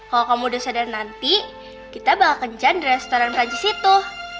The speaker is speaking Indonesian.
kalau kamu udah sadar nanti kita bakal kencan di restoran perancis itu